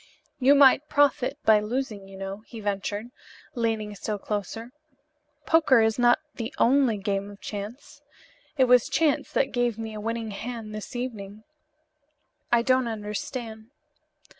"You might profit by losing, you know," he ventured, leaning still closer, "Poker is not the only game of chance. It was chance that gave me a winning hand this evening." "I don't understand."